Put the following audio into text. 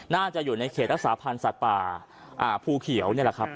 น่าจะอยู่ในเขตรักษาพันธ์สัตว์ป่าภูเขียว